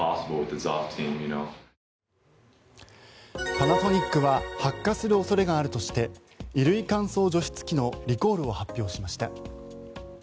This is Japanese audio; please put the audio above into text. パナソニックは発火する恐れがあるとして衣類乾燥除湿機のリコールを発表しました。